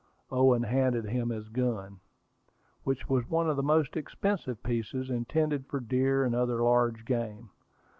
Owen handed him his gun, which was one of the most expensive pieces, intended for deer and other large game.